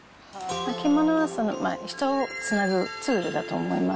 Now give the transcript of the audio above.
着物は人をつなぐツールだと思います。